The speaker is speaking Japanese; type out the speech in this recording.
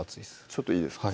ちょっといいですか？